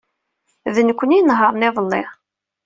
D nekkni ay inehṛen iḍelli.